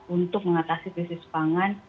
untuk mengatasi krisis pangan